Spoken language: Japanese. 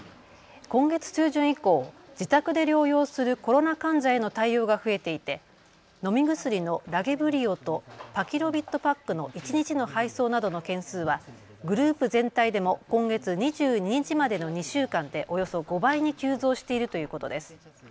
今月中旬以降、自宅で療養するコロナ患者への対応が増えていて飲み薬のラゲブリオとパキロビッドパックの一日の配送などの件数はグループ全体でも今月２２日までの２週間でおよそ５倍に急増しているということです。